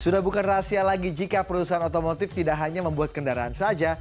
sudah bukan rahasia lagi jika perusahaan otomotif tidak hanya membuat kendaraan saja